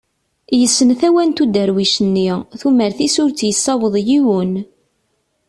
Yesssen tawant uderwic nni tumert-is ur tt-yessaweḍ yiwen.